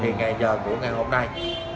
thì ngày giờ của ngày hôm nay